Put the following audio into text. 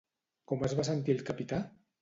Com es va sentir el capità?